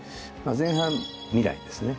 前半未来ですね